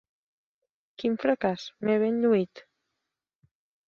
Quin fracàs, m'he ben lluït!